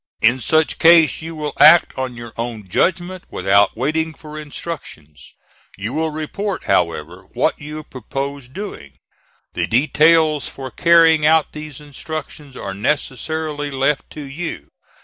In such case you will act on your own judgment without waiting for instructions. You will report, however, what you purpose doing. The details for carrying out these instructions are necessarily left to you.